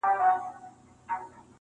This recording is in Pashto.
ستا د سونډو له ساغره به یې جار کړم,